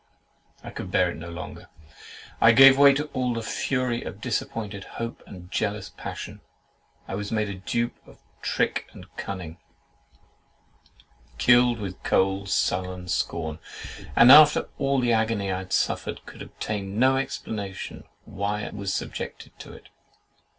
I could bear it no longer. I gave way to all the fury of disappointed hope and jealous passion. I was made the dupe of trick and cunning, killed with cold, sullen scorn; and, after all the agony I had suffered, could obtain no explanation why I was subjected to it.